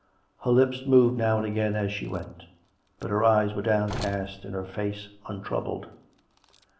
Her lips moved now and again as she went; but her eyes were downcast and her face untroubled.